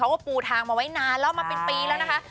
ว่าปูทางมาไว้นานแล้วมาเป็นปีแล้วนะคะ